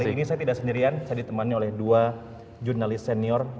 hari ini saya tidak sendirian saya ditemani oleh dua jurnalis senior